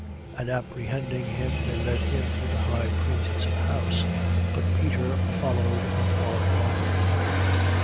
22:54. And apprehending him, they led him to the high priest's house. But Peter followed afar off.